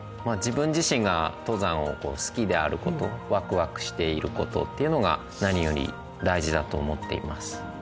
まあ自分自身が登山を好きであることワクワクしていることっていうのが何より大事だと思っています。